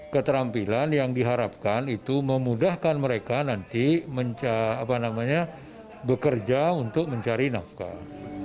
keterampilan yang diharapkan itu memudahkan mereka nanti bekerja untuk mencari nafkah